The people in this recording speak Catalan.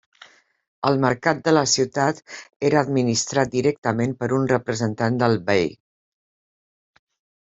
El mercat de la ciutat era administrat directament per un representant del bei.